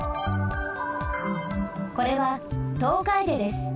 これはトウカエデです。